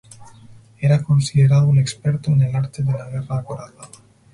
Era considerado un experto en el arte de la guerra acorazada.